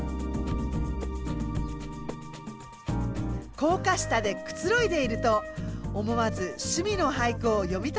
高架下でくつろいでいると思わず趣味の俳句を詠みたくなりました。